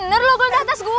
bener lo guldah tas gue